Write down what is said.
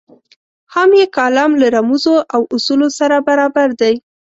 هم یې کالم له رموزو او اصولو سره برابر دی.